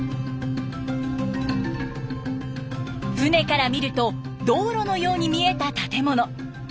船から見ると道路のように見えた建物。